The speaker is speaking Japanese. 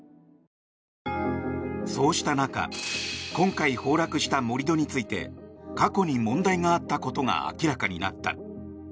そうした中今回、崩落した盛り土について過去に問題があったことが明らかになった。